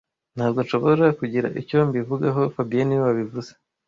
Ntabwo nshobora kugira icyo mbivugaho fabien niwe wabivuze